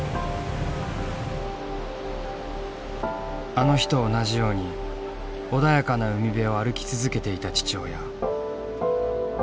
あの日と同じように穏やかな海辺を歩き続けていた父親。